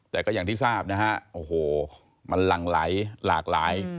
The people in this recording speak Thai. แต่ก็อย่างที่ทราบนะฮะโอ้โหมันหลั่งไหลหลากหลาย